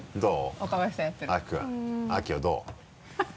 どう？